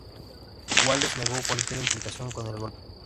Wales negó cualquier implicación en el golpe.